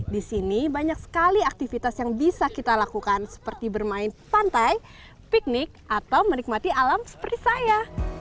di sini banyak sekali aktivitas yang bisa kita lakukan seperti bermain pantai piknik atau menikmati alam seperti saya